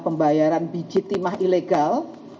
pembayaran biji timah ilegal